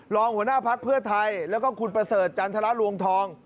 รองหัวหน้าภักดิ์เพื่อไทยแล้วก็คุณประเสริฐจันทรลวงทอง